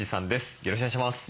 よろしくお願いします。